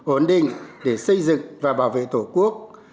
ổn định để xây dựng và bảo vệ tổ quốc